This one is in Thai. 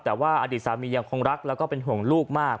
แต่ว่าอดีตสามียังคงรักแล้วก็เป็นห่วงลูกมาก